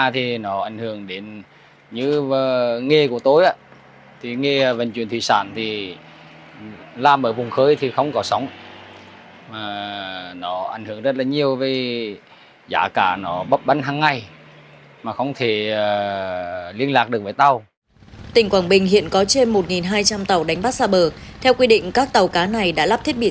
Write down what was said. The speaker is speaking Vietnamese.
tình quảng bình hiện có trên một hai trăm linh tàu đánh bắt xa bờ theo quy định các tàu cá này đã lắp thiết bị